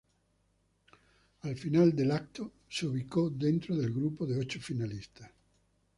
Al final del evento, se ubicó dentro del grupo de ocho finalistas.